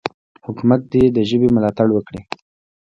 حکومت دې د ژبې ملاتړ وکړي.